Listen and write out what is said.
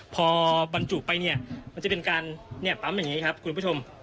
พอบรรจุไปเนี่ยมันจะเป็นการปั๊มอย่างนี้ครับคุณผู้ชม